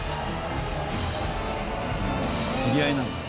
知り合いなんだ。